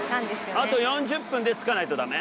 あと４０分で着かないとだめ？